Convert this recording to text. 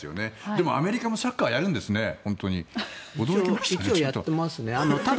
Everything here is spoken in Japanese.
でもアメリカもサッカーやるんですね、驚きました。